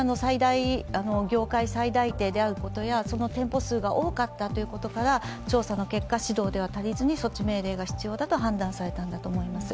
業界最大店であることから、その店舗数が多かったということから、調査の結果、指導では足りずに措置命令が必要だと判断されたんだと思います。